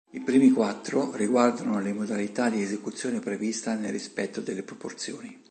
I primi quattro riguardano le modalità di esecuzione prevista nel rispetto delle proporzioni.